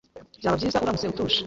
Byaba byiza uramutse tuje.